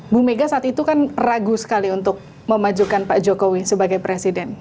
bu mega saat itu kan ragu sekali untuk memajukan pak jokowi sebagai presiden